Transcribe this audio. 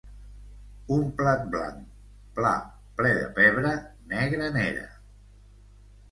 un plat blanc pla ple de pebre negre n'era